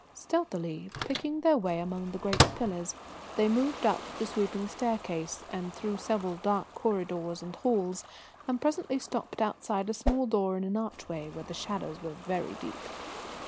Stealthily, picking their way among the great pillars, they moved up the sweeping staircase and through several dark corridors and halls, and presently stopped outside a small door in an archway where the shadows were very deep.